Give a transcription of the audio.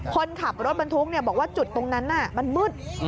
คนขับรถบรรทุกบอกว่าจุดตรงนั้นมันมืด